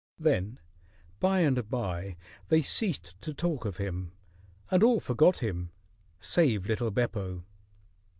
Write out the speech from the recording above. Then by and by they ceased to talk of him, and all forgot him, save little Beppo.